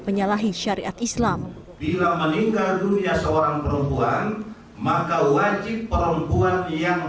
penyalahi syariat islam bila meninggal dunia seorang perempuan maka wajib perempuan yang